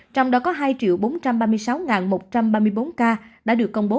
trong đó có hai bốn trăm linh ca